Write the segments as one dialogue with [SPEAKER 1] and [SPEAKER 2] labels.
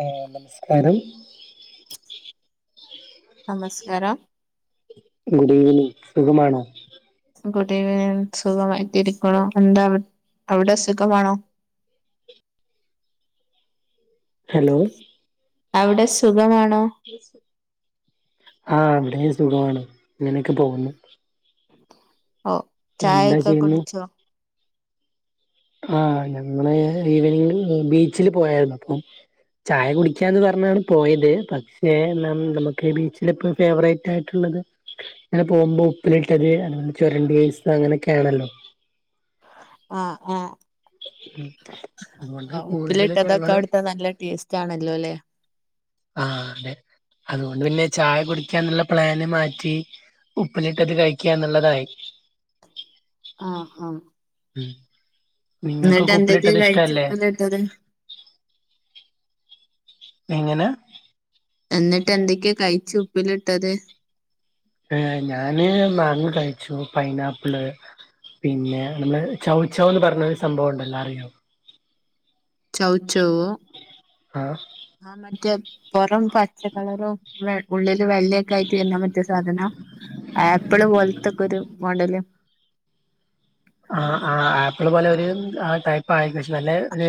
[SPEAKER 1] ആ നമസ്കാരം
[SPEAKER 2] നമസ്കാരം
[SPEAKER 1] ഗുഡ് ഈവനിംഗ് സുഖമാണോ
[SPEAKER 2] ഗുഡ് ഇവനിംഗ് സുഖമായിട്ടിരിക്കാണു എന്താ അവി അവിടെ സുഖമാണോ
[SPEAKER 1] ഹലോ
[SPEAKER 2] അവിടെ സുഖമാണോ
[SPEAKER 1] ആ ഇവിടെ സുഖമാണ് ഇങ്ങനെഒക്കെ പോകുന്നു
[SPEAKER 2] ഓ ചായ
[SPEAKER 1] എന്താ
[SPEAKER 2] ഒക്കെ
[SPEAKER 1] ചെയ്യുന്നു
[SPEAKER 2] കുടിച്ചോ
[SPEAKER 1] ആ ഞമ്മളെ ഈവനിംഗില് ബീച്ചില് പോയാരുന്നു അപ്പൊ ചായ കുടിക്കാന്ന് പറഞ്ഞാണ് പോയത് പക്ഷേ ന നമുക്ക് ബീച്ചില് ഇപ്പോ ഫേവറേറ്റയി ട്ടുള്ളത് ഇങ്ങനെ പോകുമ്പോ ഉപ്പിലിട്ടത് അതുപോലെ ചുരണ്ടി ഐസ് അങ്ങനെ ഓക്കെ ആണല്ലോ
[SPEAKER 2] ആഹ് ആഹ്
[SPEAKER 1] ഉം അതുകൊണ്ട്
[SPEAKER 2] ആ
[SPEAKER 1] കൂടുതൽ
[SPEAKER 2] ഉപ്പിലിട്ടതൊക്കെ
[SPEAKER 1] ഞങ്ങള്
[SPEAKER 2] അവിടുത്തെ നല്ല ടേസ്റ്റ് ആണല്ലോ അല്ലേ
[SPEAKER 1] ആ അതെ അതുകൊണ്ട് പിന്നെ ചായ കുടിക്കാന്നുള്ള പ്ലാന് മാറ്റി ഉപ്പിലിട്ടത് കഴിക്കാന്നുള്ളതായി
[SPEAKER 2] ആഹ് ആഹ്
[SPEAKER 1] ഉം
[SPEAKER 2] എന്നിട്ട്
[SPEAKER 1] നിങ്ങൾക്കൊക്കെ
[SPEAKER 2] എന്തൊക്കെ
[SPEAKER 1] ഉപ്പിലിട്ടത്
[SPEAKER 2] കഴിച്ച്
[SPEAKER 1] ഇഷ്ടല്ലേ
[SPEAKER 2] ഉപ്പിലിട്ടത്
[SPEAKER 1] എങ്ങന
[SPEAKER 2] എന്നിട്ട് എന്തൊക്ക കഴിച്ച് ഉപ്പിലിട്ടത്
[SPEAKER 1] ഏ ഞാന് മാങ്ങ കഴിച്ചു പൈനാപ്പിള് പിന്നെ നമ്മള് ചൗച്ചൗന്ന് പറഞ്ഞൊരു സംഭവം ഉണ്ടല്ലോ അറിയോ
[SPEAKER 2] ചൗചൗവ്വോ
[SPEAKER 1] ആഹ്
[SPEAKER 2] ആ മറ്റെ പൊറം പച്ച കളറും വെ ഉള്ളില് വെള്ളയൊക്കെ ആയിട്ട് വര്ന്നാ മറ്റെ സാധന ആപ്പിള് പോലത്തകുരു മോടലു
[SPEAKER 1] ആഹ് ആഹ് ആപ്പിള് പോലെ ഒരു ആ ടൈപ്പയി പക്ഷെ നല്ല ഒര്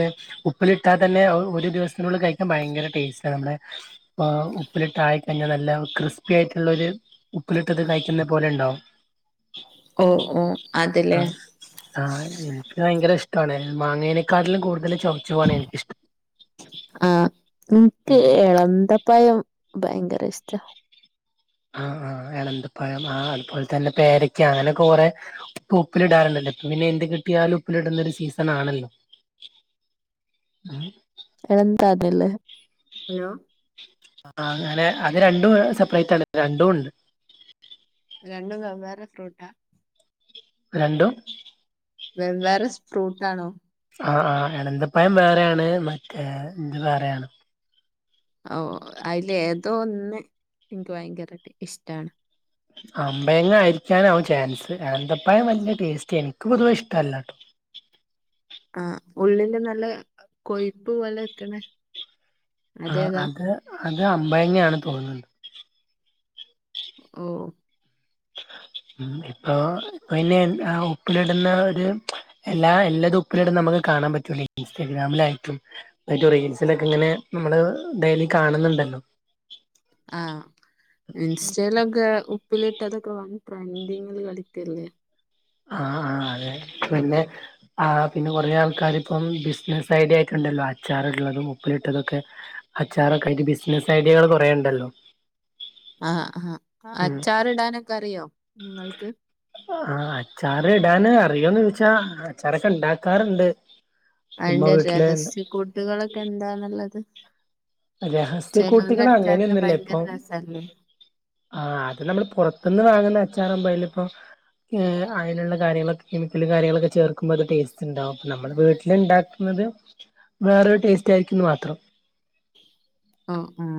[SPEAKER 1] ഉപ്പിലിട്ടാ തന്നെ ഒ ഒരു ദിവസത്തിനുള്ളിൽ കഴിക്കാൻ ഭയങ്കര ടേസ്റ്റാ നമ്മടെ ആ ഉപ്പിലിട്ട് ആയിക്കഴിഞ്ഞാ നല്ല ക്രിസ്പി ആയിട്ടുള്ള ഒരു ഉപ്പിലിട്ട്ത് കഴിക്കുന്നുന്ന പോലെ ഉണ്ടാവും
[SPEAKER 2] ഉം ഉം
[SPEAKER 1] ആഹ് ആ എനിക്ക് ഭയങ്കര ഇഷ്ടമാണ് മാങ്ങേനേക്കാട്ടിലും കൂടുതലും ചുവച്ചുവ വാണ് എനിക്കിഷ്ടം
[SPEAKER 2] ആഹ് ഇനിക്ക് എളന്തപ്പഴം ഭയങ്കര ഇഷ്ടാ
[SPEAKER 1] ആഹ് ആഹ് എളന്തപ്പഴം ആ അതുപോലെ തന്നെ പേരക്ക അങ്ങനെക്കെ കുറേ ഇപ്പൊ ഉപ്പിലിടാറുല്ലോ ഇപ്പൊ പിന്നെ എന്ത് കിട്ടിയാലും ഉപ്പിലിടുന്നരു സീസൺ ആണല്ലോ ആ
[SPEAKER 2] എളന്താത് ല്ലേ
[SPEAKER 1] ആഹ് അങ്ങനെ അത് രണ്ടും സെപ്പറേറ്റ് ആണ് രണ്ടും ഉണ്ട്
[SPEAKER 2] രണ്ടും വെവ്വേറെ ഫ്രൂട്ടാ
[SPEAKER 1] രണ്ടും
[SPEAKER 2] വെവ്വേറെ സ് ഫ്രൂട്ടാണു
[SPEAKER 1] ആഹ് ആഹ് അനന്തപ്പയം വേറെയാണ് മറ്റേ ഇത് വേറെയാണ്
[SPEAKER 2] ഓഹ് അ അയിലെതോ ഒന്ന് ഇൻക്ക് ഭയങ്കരാട്ട് ഇഷ്ട്ടാണ്
[SPEAKER 1] അമ്പയങ്ങ ആയിരിക്കാനാവും ചാൻസ് ഏന്തപ്പയം വല്യ ടേസ്റ്റ് എനിക്ക് പൊതുവെ ഇഷ്ടല്ല
[SPEAKER 2] ആഹ് ഉള്ളില് നല്ല കൊയ്പ്പ് പോല നിക്ക്ണെ
[SPEAKER 1] ആഹ് അത് അത് അമ്പയങ്ങാണെന്ന് തോന്ന്ണ്
[SPEAKER 2] ഓഹ്
[SPEAKER 1] മ് ഇപ്പൊ പിന്നെ എ അ ഉപ്പിലിട്ന്ന ഒര് എല്ലാ എല്ലതും ഉപ്പിലിടും നമ്മക്ക് കാണാം പറ്റൂല്ലെ ഇൻസ്റ്റാഗ്രാമിലായിട്ടും അയ്ന്റൊ റീൽസിലെക്ക ഇങ്ങനെ നമ്മള് ഡെലി കാണ്ന്നുണ്ടല്ലോ
[SPEAKER 2] ആഹ് ഇൻസ്റ്റയിലൊക്കെ ഉപ്പിലിട്ടതൊക്ക വാങ്ങി ട്രെൻഡിങ്ങില് കളിക്കല്ലേ
[SPEAKER 1] ആഹ് ആഹ് അത് പിന്നെ ആഹ് പിന്ന കൊറെ ആൾക്കാര് ഇപ്പം ബിസ്നസ്സ് ഐഡിയ ആയിട്ടുണ്ടല്ലോ അച്ചാറ്ട്ന്നതും ഉപ്പിലിട്ടതൊക്കെ അച്ചാറൊക്കായിട്ട് ബിസ്നസ്സ് ഐഡിയകള് കൊറേണ്ടല്ലോ
[SPEAKER 2] ആഹ് ആഹ്
[SPEAKER 1] ഉം
[SPEAKER 2] അച്ചാറിടാനൊക്ക അറിയോ നിങ്ങൾക്ക്
[SPEAKER 1] ആഹ് അച്ചാറ് ഇടാന് അറിയോന്ന് ചോച്ചാ അച്ചാറെക്കെ ഇണ്ടാക്കാറുണ്ട് ഉമ്മ
[SPEAKER 2] അയിന്റെ
[SPEAKER 1] വീട്ടില്
[SPEAKER 2] രഹസ്യ കൂട്ടുകളൊക്കെ എന്താണന്നുള്ളത്
[SPEAKER 1] രഹസ്യ കൂട്ട്കൾ അങ്ങനെയൊന്നുല്ല
[SPEAKER 2] ഭയങ്കര
[SPEAKER 1] ഇപ്പൊ
[SPEAKER 2] രസല്ലേ
[SPEAKER 1] ആഹ് അത് നമ്മള് പുറത്ത്ന്ന് വാങ്ങുന്ന അച്ചാറാവുമ്പ അയ്ല് ഇപ്പം ങ് അയിനുള്ള കാര്യങ്ങളൊക്ക കെമിക്കല് കാര്യങ്ങളെക്കെ ചേർക്കുമ്പോ അത് ടെസ്റ്റ് ഇണ്ടാവും പ്പം നമ്മള് വീട്ടില്ണ്ടാ ക്കുന്നത് വേറൊരു ടേസ്റ്റ് ആയിരിക്കൂന്ന് മാത്രം
[SPEAKER 2] ഓ ഉം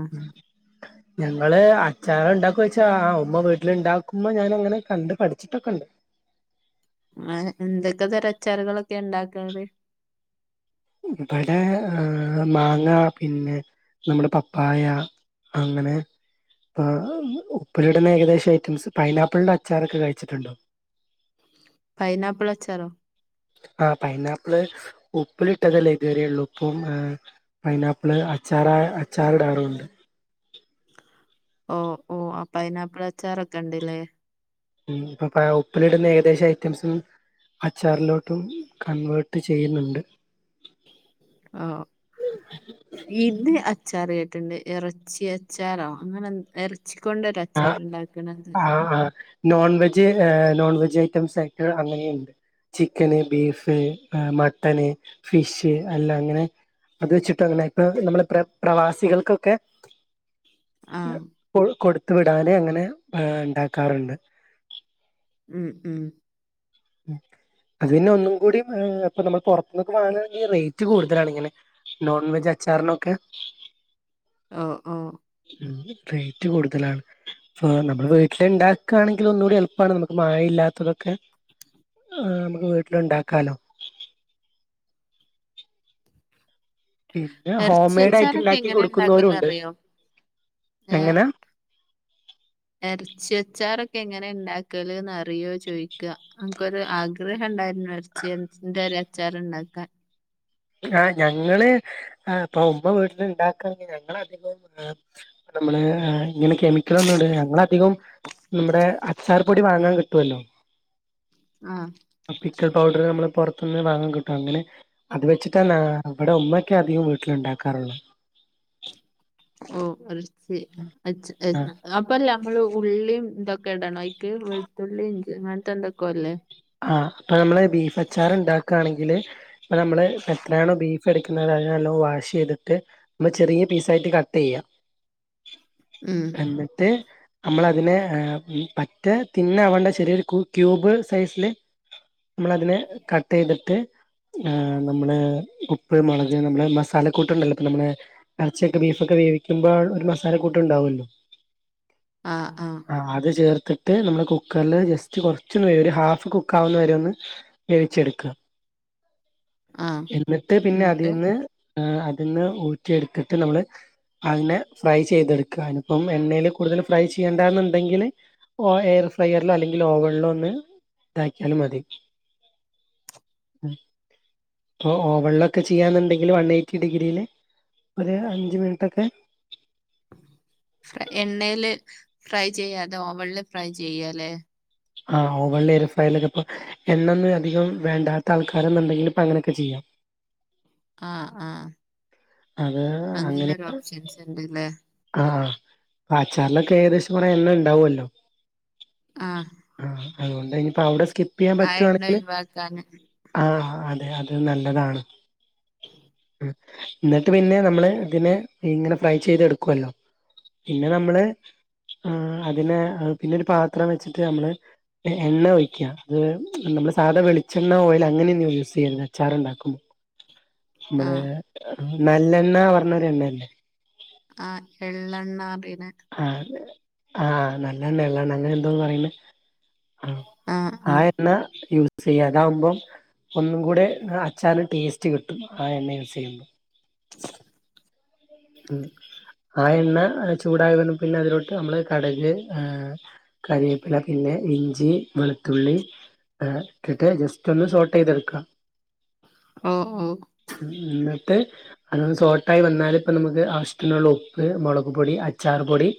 [SPEAKER 1] ഞങ്ങള് അച്ചാറ് ഇണ്ടാക്കൊയ്ച്ച അഹ് ആഹ് ഉമ്മ വീട്ടില് ഇണ്ടാക്കുമ്പ ഞാന് അങ്ങനെ കണ്ട് പഠിച്ചിട്ടൊക്കണ്ട്.
[SPEAKER 2] ആഹ് ന് എന്തൊക്കെ തര അച്ചാറുകളൊക്കെയ ഇണ്ടാക്കാറ്
[SPEAKER 1] ഇബടെ അ മാങ്ങ പിന്നെ നമ്മുടെ പപ്പായ അങ്ങനെ ഉപ്പിലിടുന്ന ഏകദേശ ഐറ്റംസ് പൈനാപ്പിൾന്റെ അച്ചാറൊക്കെ കഴിച്ചിട്ടുണ്ടോ
[SPEAKER 2] പൈനാപ്പിൾ അച്ചാറോ
[SPEAKER 1] ആഹ് പൈനാപ്പിള് ഉപ്പിലിട്ടതല്ലെ ഇതുവരെയുള്ളൂ ഉപ്പും ഏഹ്- പൈനാപ്പിള് അച്ചാറാ അച്ചാറ്ടാറുണ്ട്
[SPEAKER 2] ഓഹ് ഓഹ് അ പൈനാപ്പിള് അച്ചാറൊക്കെ ഇണ്ട്ലെ
[SPEAKER 1] ഉം ഇപ്പൊ പ്പ ഉപ്പിലിടുന്ന ഏകദേശ ഐറ്റംസും അച്ചാറ്ലോട്ടും കൺവേർട്ട് ചെയ്യുന്നുണ്ട്
[SPEAKER 2] ആഹ് ഇത് അച്ചാറ് കെട്ടുണ്ട് എറച്ചി അച്ചാറോ അങ്ങനെന്ന് എറച്ചിക്കൊണ്ടോര് അ
[SPEAKER 1] ആഹ് ആഹ് ആഹ് നോൺ വെജ്ജ് അ നോൺ വെജ്ജ് ഐറ്റംസ് ആയിട്ട് അങ്ങനെയുണ്ട് ചിക്കന് ബീഫ് അ മട്ടന് ഫിഷ് അല്ലാം അങ്ങനെ അത് വെച്ചിട്ട് അങ്ങനെ ഇപ്പ നമ്മള് പ്ര പ്രവാസികൾക്കൊക്കെ
[SPEAKER 2] ആ
[SPEAKER 1] ഇപ്പോൾ കൊടുത്ത് വിടാന് അങ്ങനെ പ ഇണ്ടാക്കാറുണ്ട്
[SPEAKER 2] ഉം ഉം
[SPEAKER 1] അതിനൊന്നും കൂടി അ ഇപ്പ നമ്മള് പൊറത്ത്ന്നൊക്ക വാങ്ങാണെങ്കി റേറ്റ് കൂട്തലാണ് ഇങ്ങനെ നോൺ വെജ്ജ് അച്ചാറ്നൊക്കെ
[SPEAKER 2] ആഹ് ആഹ്
[SPEAKER 1] ഉം റേറ്റ് കൂട്തലാണ് ഫാ നമ്മള് വീട്ടില്ണ്ടാക്കാണെങ്കിൽ ഒന്നുകൂടി എളുപ്പാണ് നമുക്ക് മഴയില്ലാത്തതൊക്കെ ആഹ് മ്മക്ക് വീട്ടില്ണ്ടാക്കാലോ പിന്നെ ഹോം
[SPEAKER 2] ഇറച്ചി
[SPEAKER 1] മെയ്ഡായിട്ട്
[SPEAKER 2] അച്ചാറൊക്കെ
[SPEAKER 1] ഉണ്ടാക്കി
[SPEAKER 2] എങ്ങനെ ഉണ്ടാക്കല്
[SPEAKER 1] കൊടുക്കുന്നോരുണ്ട്
[SPEAKER 2] അറിയോ
[SPEAKER 1] എങ്ങനാ
[SPEAKER 2] എറച്ചിയച്ചാറൊക്കെ എങ്ങനെ ഇണ്ടാക്കല്ന്നറിയോ ചോയിക്ക അന്ക്കൊരു ആഗ്രഹണ്ടായിരുന്നു ഇറച്ചി [unintelligible] ന്റെ ഒരച്ചാറ്ണ്ടാക്കാൻ
[SPEAKER 1] ആഹ് ഞങ്ങള് എ ഇപ്പൊ ഉമ്മ വീട്ടില് ഇണ്ടാക്കണെങ്കി ഞങ്ങളധികം എ നമ്മള് ആഹ് ഇങ്ങനെ കെമി ഇതൊന്നുടുലാ ഞങ്ങളധികവും നമ്മുടെ അച്ചാർ പൊടി വാങ്ങാൻ കിട്ടുവല്ലോ
[SPEAKER 2] ആഹ്
[SPEAKER 1] ആ പിക്കൾ പൗഡർ നമ്മള് പോറത്ത്ന്ന് വാങ്ങാൻ കിട്ടും അങ്ങനെ അത് വെച്ചിട്ടെന്നാ ഇവിടെ ഉമ്മയോക്കെ അധികം വീട്ടില് ണ്ടാക്കാറുള്ള
[SPEAKER 2] ഉം ഒര് സീ അച്ച്
[SPEAKER 1] ആ
[SPEAKER 2] [unintelligible] അതാപ്പല്ല നമ്മള് ഉള്ളിയും ഇതൊക്കെ ഇടണോയ്ക്ക് വെളുത്തുള്ളിഇഞ്ചി അങ്ങനത്തെ എന്തൊക്കോല്ലേ
[SPEAKER 1] ആഹ് അപ്പൊ നമ്മള് ബീഫച്ചാർ ഇണ്ടാക്കാണെങ്കില് ഇപ്പ നമ്മള് ഇപ്പെത്രയാണോ ബീ ഫെറിക്കുന്ന അത് നലൊന്ന് വാഷെയ്തിട്ട് ചെറിയ പീസായിട്ട് കട്ടെയ്യ
[SPEAKER 2] ഉം
[SPEAKER 1] എന്നിട്ട് നമ്മളതിനെ ഏ ഉം പറ്റ തിന്നവണ്ട ചെറിയൊരു കു ക്യൂബ് സൈസില് നമ്മളതിനെ കട്ടെയ്തിട്ട് ആഹ് നമ്മള് ഉപ്പ് മുളക് നമ്മളെ മസാലക്കൂട്ടുണ്ടല്ലോ ഇപ്പ നമ്മളെ ഇറച്ചിയൊക്കെ ബീഫൊക്കെ വേവിക്കുമ്പോൾ ഒരു മസാല കൂട്ട് ണ്ടാവല്ലോ
[SPEAKER 2] ആഹ് ആഹ്
[SPEAKER 1] ആഹ് അത് ചേർത്തിട്ട് നമ്മള് കുക്കറ്ല് ജസ്റ്റ് കൊറച്ചോന്ന് വെവോര ഹാഫ് കുക്കാവുന്ന വരെ ഒന്ന് വേവിച്ചെടുക്ക
[SPEAKER 2] ആഹ്
[SPEAKER 1] എന്നിട്ട് പിന്നെ
[SPEAKER 2] എന്നിട്ട്
[SPEAKER 1] അതിന്ന് അത് ന്ന് ഊറ്റിയെടുത്തിട്ട് നമ്മള് അതിനെ ഫ്രൈ ചെയ്തെടുക്ക എനിപ്പം എണ്ണൊൽ കൂടുതൽ ഫ്രൈ ചെയ്യേണ്ടന്നുണ്ടെങ്കില് ഓ എയർ ഫ്രയറിലോ അല്ലെങ്കിൽ ഓവണ്ലോ ഒന്ന് ഇതാക്കിയാലും മതി ഉം പ്പൊ ഓവണ്ലൊക്കെ ചെയ്യാന്ന്ണ്ടെങ്കില് വൺ എയ്റ്റി ഡിഗ്രിൽ ഒരു അഞ്ച് മിനിറ്റൊക്കെ
[SPEAKER 2] ഫ്ര എണ്ണെല് ഫ്രൈ ചെയ്യാതെ ഓവണ്ല് ഫ്രൈ ചെയ്യാലേ
[SPEAKER 1] ആഹ് ഓവണ്‌ല് എയർഫയറിലൊക്കെ ഇപ്പൊ എണ്ണൊന്നും അധികം വേണ്ടാത്താൾക്കാരന്നുണ്ടെങ്കില് ഇപ്പങ്ങനെയൊക്കെ ചെയ്യാം
[SPEAKER 2] ആഹ് ആഹ്
[SPEAKER 1] അതേ
[SPEAKER 2] അങ്ങനെ ഒരോപ്ഷൻസ് ണ്ട്ലെ
[SPEAKER 1] ആഹ് അച്ചാർലൊക്കെ ഏകദേശം കൊറെ എണ്ണണ്ടാ വൊല്ലോ.
[SPEAKER 2] ആഹ്
[SPEAKER 1] ആഹ് അതോണ്ടയ്ന്പ്പൊ അവ്ടെ സ്കിപ്പെയ്യാൻ
[SPEAKER 2] ആ ആ എണ്ണ
[SPEAKER 1] പറ്റോണെങ്കില്
[SPEAKER 2] ഒഴിവാക്കാന്
[SPEAKER 1] ആഹ് ആഹ് അതെ അത് നല്ലതാണ്. ന്ന്ട്ട് പിന്നെ നമ്മള് തിനെ ഇങ്ങനെ ഫ്രൈ ചെയ്ത് എടുക്കുവല്ലോ പിന്നെ നമ്മള് ആഹ് അതിനെ അഹ് പിന്നെരു പാത്രം വെച്ചിട്ട് അമ്മള് ഏ എണ്ണ ഒഴിക്കാ. അത് വെ നമ്മള് സാധാ വെളിച്ചെണ്ണ, ഓയല് അങ്ങനെന്നും യൂസെയ്യണ്ട അച്ചാറ് ണ്ടാക്കുമ്പൊ മ്മളേ
[SPEAKER 2] ആഹ്
[SPEAKER 1] നല്ലെണ്ണ പർഞ്ഞൊരെണ്ണല്ലെ
[SPEAKER 2] ആഹ് എള്ളെണ്ണാറിണെ
[SPEAKER 1] അതെ ആഹ് നല്ലെണ്ണ, എള്ളെണ്ണ അങ്ങനെന്തോന്ന് പറിണെ ആഹ്
[SPEAKER 2] ആഹ്
[SPEAKER 1] ആ
[SPEAKER 2] ആഹ്
[SPEAKER 1] എണ്ണ യൂ സ്സെയ്യാ അതാവുമ്പം ഒന്നും കൂടെ ആഹ് അച്ചാർന് ടേസ്റ്റ് കിട്ടും. ആ എണ്ണ യൂസെയ്യ്മ്പം. ഉം ആ എണ്ണ ചൂടായി വന്ന് പിന്നെ അതിലോട്ട് അമ്മള് കട്ക് ഏഹ് കരിയേപ്പില പിന്നെ ഇഞ്ചി, വെള് ത്തുള്ളി ഏഹ് ട്ട്ട്ട് ജസ്റ്റോന്ന് സോൾട്ടൈത്‌ട്ക്കാ.
[SPEAKER 2] ഓഹ് ഓഹ്
[SPEAKER 1] ന്ന്ട്ട് അതൊന്ന് സോൾട്ടായി വന്നാല്. പ്പം നമുക്ക് ആവശ്യത്തിനുള്ള ഉപ്പ്, മൊളക് പൊടി, അച്ചാറ്പൊടി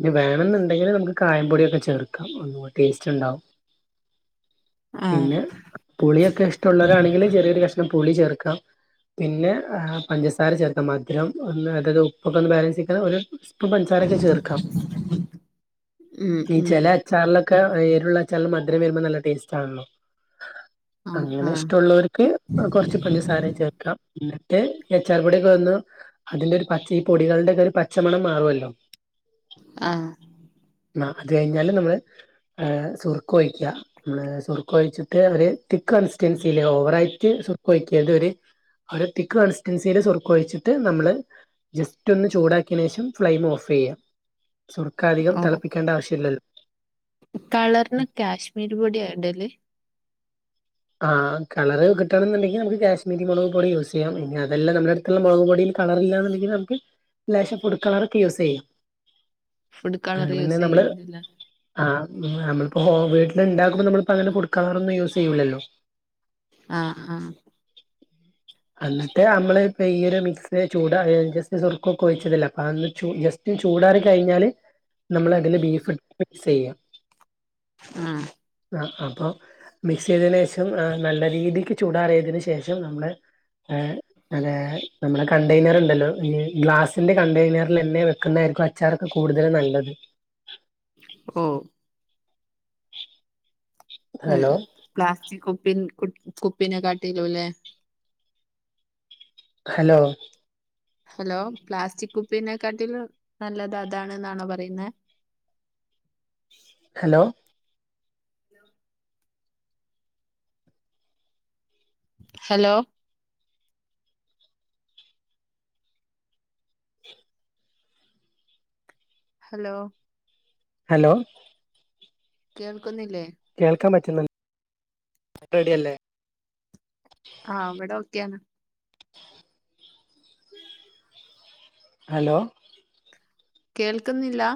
[SPEAKER 1] ഞ്ഞി വേണംന്ന്ണ്ടെങ്കില് നമുക്ക് കായം പൊടിയൊക്കെ ചേർക്കാം. ഒന്നൂടെ ടേസ്റ്റ്ണ്ടാവും.
[SPEAKER 2] ആഹ്
[SPEAKER 1] പിന്നെ പുളിയൊക്കെഷ്ടൊള്ളോരാണെങ്കില് ചെറിയൊരു കഷ്ണം പുളി ചേർക്കാം. പിന്നെ ആഹ് പഞ്ചസാര ചേർക്കാം മധ് രം ഒന്നത് ഉപ്പൊക്കെ ഒന്ന് ബാലൻസിക്ക രം ഒര് പ്പ്, പൻസാരൊക്കെ ചേർക്കാം.
[SPEAKER 2] ഉം
[SPEAKER 1] നി
[SPEAKER 2] ഉം
[SPEAKER 1] ചെല അ- ച്ചാർ ലൊക്കെ എരുള്ള അച്ചാർല് മധ് രം വെര്മ്പം നല്ല ടേസ്റ്റാണല്ലൊ
[SPEAKER 2] ആഹ്
[SPEAKER 1] അങ്ങനെ
[SPEAKER 2] ആഹ്
[SPEAKER 1] ഇഷ്ടള്ളോര്ക്ക് കൊർച്ച് പഞ്ചസാരയും ചേർക്കാം. ന്ന്ട്ട് എച്ചാർപ്പൊടിയൊക്കെ ഒന്നു അതിന്റെ ഒര് പച്ച ഈ പൊടികൾടെ ഒക്കെ ഒര് പച്ചമണം മാറുവല്ലൊ.
[SPEAKER 2] ആഹ്.
[SPEAKER 1] ന്നാ അത് കഴിഞ്ഞാല് നമ്മള് ഏഹ് സുർക്ക് ഒഴിക്കാ. മ്മള് സുർക്ക ഒഴിച്ചിട്ട് ഒര് തിക്കൺ സ്റ്റേൻസില്ലെ ഓവറായിട്ട് സുർക്ക ഒഴിക്കര്ത് ഒര് ഒര് തിക്ക് കൺസ്റ്റെൻസില് സുർക്കൊഴിച്ചിട്ട് നമ്മള് - ജസ്റ്റ് ഒന്ന് ചൂടാക്കിയന് യേഷം ഫ്ലെയിമ് ഓഫെയ്യാ. സുർക്ക അധികം തെളപ്പിക്കേണ്ട ആവശ്യല്ലല്ലൊ.
[SPEAKER 2] കളർന് കാശ്മീരി പൊടിയാ ഇടല്.
[SPEAKER 1] ആഹ് കളറ് കിട്ടെണെന്ന്ണ്ടെങ്കി നമുക്ക് കാശ്മീരി മുളക് പോടി യൂസെയ്യാം. ഇനി അതല്ല നമ്മടെ അട്- ക്ക് ള്ളെ മൊളക്‌പൊടീം കളറ് ല്ലന്ന് ണ്ടെങ്കി നമുക്ക് ലേശം ഫുഡ് കളറ് ക്കെ യൂസെയ്യാ.
[SPEAKER 2] ഫുഡ് കളർ
[SPEAKER 1] അത് പിന്നെ
[SPEAKER 2] യൂസ്
[SPEAKER 1] നമ്മള്
[SPEAKER 2] ചെയ്യുന്നില്ല
[SPEAKER 1] ആഹ് നമ്മള്പ്പോ വീട്ട്ല് ണ്ടാക്കകുമ്പം നമ്മൾപ്പ അങ്ങനെ ഫുട്ക്കളാറൊന്നും യൂസെയ്യൂ ലല്ലൊ.
[SPEAKER 2] ആഹ് ആഹ്
[SPEAKER 1] അന്ന്ട്ട് അമ്മള് ഇപ്പ ഈ ഒര് മിക്സ് ചോ - [unintelligible] സുർക്കൊക്കൊഴിച്ചതല്ല അതൊന്ന് ചു ജസ്റ്റ് ചൂടാറി കഴിഞ്ഞാല്. നമ്മൾ അതില് ബീഫ് [unintelligible] മിക്സ് ചെയ്യാ.
[SPEAKER 2] ആഹ്
[SPEAKER 1] ആഹ് അപ്പം മിക്സ് ചെയ്തനേഷം ആഹ് നല്ല രീതിക്ക് ചൂടാറിയതിന് ശേഷം നമ്മള് ഏഹ് അതെ നമ്മളെ കണ്ടെയ്നറിൽ ണ്ടല്ലോ ഈ ഗ്ലാസിന്റെ കണ്ടെയ്നറിലെന്നെ വെക്കുന്നതായിരിക്കും അച്ചാറൊക്കെ കൂടുതലും നല്ലത്.
[SPEAKER 2] ഓഹ് ഉം
[SPEAKER 1] ഹലോ
[SPEAKER 2] പ്ലാസ്റ്റിക് കുപ്പിൻ കുപ് കുപ്പിനെ കാട്ടീലു ല്ലെ.
[SPEAKER 1] ഹലോ
[SPEAKER 2] ഹലോ പ്ലാസ്റ്റിക് കുപ്പീനെക്കാട്ടിൽ നല്ലത് അതാണ്ന്നാണോ പറയുന്നെ.
[SPEAKER 1] ഹലോ
[SPEAKER 2] ഹലോ ഹലോ
[SPEAKER 1] ഹലോ
[SPEAKER 2] കേൾക്കുന്നില്ലേ?
[SPEAKER 1] കേൾക്കാൻ പറ്റുന്നു റെഡിയല്ലേ.
[SPEAKER 2] ആഹ് വടെ ഓക്കെയാണ്.
[SPEAKER 1] ഹലോ
[SPEAKER 2] കേൾക്കുന്നില്ലാ?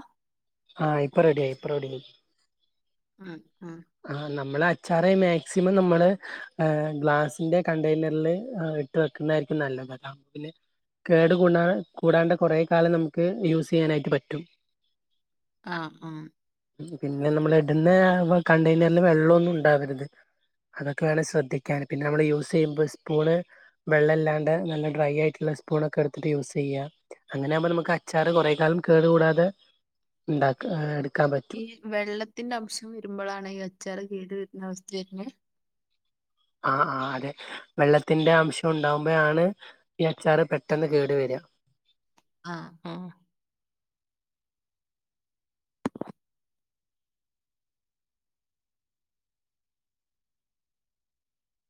[SPEAKER 1] ആഹ് ഇപ്പ റെഡിയായി ഇപ്പ റെഡിയായി.
[SPEAKER 2] ആഹ് ആഹ്.
[SPEAKER 1] ആഹ് നമ്മള് അച്ചാറ് മാക്സിമം നമ്മള് ഏഹ് ഗ്ലാസിന്റെ കണ്ടെയ്നറ്ല് ഇട്ട് വെക്കുന്നതായിരിക്കും നല്ലത് അപ്പപിന്നെ കേട് കൂടാ കൂടാണ്ട് കുറേ കാലം നമുക്ക് യൂസ് ചെയ്യാനായിട്ട് പറ്റും.
[SPEAKER 2] ആഹ് ഉം
[SPEAKER 1] ഉം പിന്നെ നമ്മൾ ഇടുന്ന വ കണ്ടെയ്നർല് വെള്ളൊന്നും ഉണ്ടാവരുത്. അതൊക്കെയാണ് ശ്രദ്ധിക്കാൻ. പിന്നെ നമ്മള് യൂസെയ്യുമ്പ സ്പൂണ് വെള്ളല്ലാണ്ടെ നല്ല ഡ്രൈ ആയിട്ടുള്ള സ്പൂണൊക്കെ എടുത്തിട്ട് യൂസെയ്യാ. അങ്ങനെയാകുമ്പം നമുക്കച്ചാറ് കൊറെ കാലം കേടു കൂടാതെ ഉണ്ടാക്ക എടുക്കാൻ പ
[SPEAKER 2] ഈ വെള്ളത്തിന്റെ അംശം വരുമ്പഴാണ് ഈ അച്ചാറ് കേടു വരുന്ന അവസ്ഥ വെര്നത്?
[SPEAKER 1] ആഹ് ആഹ് അതെ. വെള്ളത്തിന്റെ അംശം ഉണ്ടാവുമ്പഴാണ് ഈ അച്ചാറ് പെട്ടെന്ന് കേട് വരാ.
[SPEAKER 2] ആഹ് ആഹ്